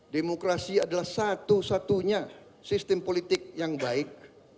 demokrasi adalah satu satunya sistem politik yang baik